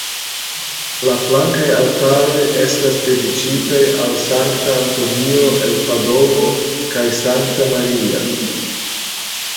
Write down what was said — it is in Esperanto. La flankaj altaroj estas dediĉitaj al Sankta Antonio el Padovo kaj Sankta Maria.